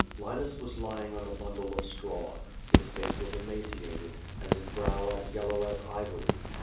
Linus was lying on a bundle of straw. His face was emaciated, and his bro^v as yellow as ivory.